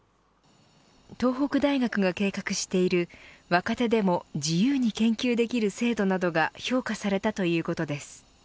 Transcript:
東北大学が計画している若手でも自由に研究できる制度などが評価されたということです。